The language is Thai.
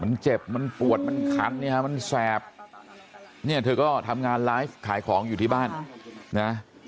มันเจ็บมันปวดมันคันเนี่ยฮะมันแสบเนี่ยเธอก็ทำงานไลฟ์ขายของอยู่ที่บ้านนะ